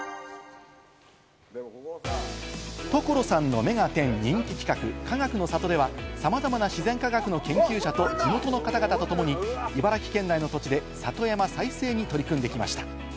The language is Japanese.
『所さんの目がテン！』の人気企画、かがくの里では、さまざまな自然科学の研究者と地元の方々とともに、茨城県内の土地で里山再生に取り組んできました。